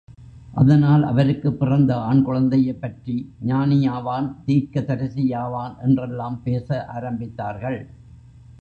அதனால் அவருக்குப் பிறந்த ஆண் குழந்தையைப் பற்றி ஞானியாவான், தீர்க்க தரிசியாவான் என்றெல்லாம் பேச ஆரம்பித்தார்கள்.